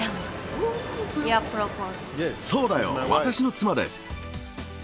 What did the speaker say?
そうだよ、私の妻です。